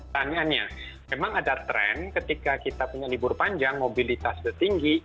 tanya tanya memang ada tren ketika kita punya libur panjang mobilitas lebih tinggi